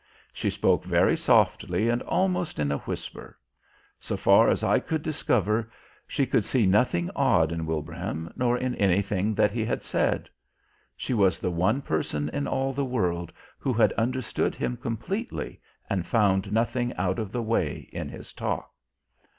She spoke very softly and almost in a whisper. So far as I could discover she could see nothing odd in Wilbraham nor in anything that he had said. She was the one person in all the world who had understood him completely and found nothing out of the way in his talk.